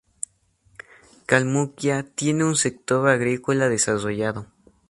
Kalmukia tiene un sector agrícola desarrollado.